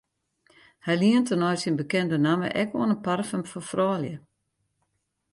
Hy lient tenei syn bekende namme ek oan in parfum foar froulju.